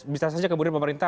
bisa saja kemudian pemerintah